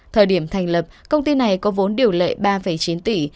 thời điểm thành lập công ty này có vốn điều lệ ba chín tỷ